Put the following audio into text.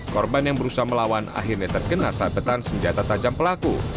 korban yang berusaha melawan akhirnya terkena sabetan senjata tajam pelaku